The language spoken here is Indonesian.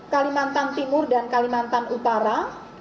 kalimantan timur dan kalimantan utara